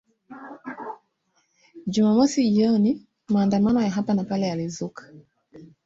Jumamosi jioni maandamano ya hapa na pale yalizuka